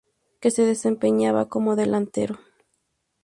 Que se desempeñaba como delantero.